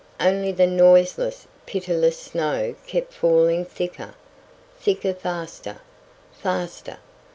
Only the noiseless, pitiless snow kept falling thicker, thicker—faster, faster!